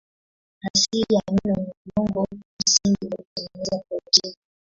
Asidi amino ni viungo msingi vya kutengeneza protini.